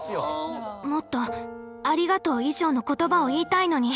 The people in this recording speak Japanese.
もっと「ありがとう」以上の言葉を言いたいのに。